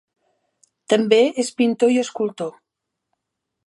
També és pintor i escultor.